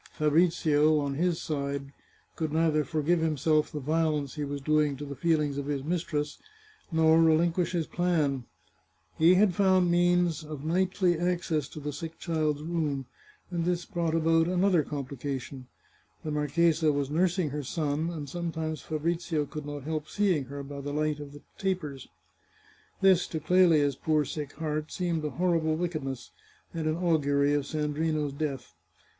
Fabrizio, on his side, could neither forgive himself the violence he was doing to the feelings of his mistress, nor relinquish his plan. He had found means of nightly access to the sick child's room, and this brought about another com 532 The Chartreuse of Parma plication. The marchesa was nursing her son, and some times Fabrizio could not help seeing her by the light of the tapers. This, to Clelia's poor sick heart, seemed a horrible wickedness, and an augury of Sandrino's death.